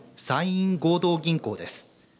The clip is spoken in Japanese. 山陰合同銀行です。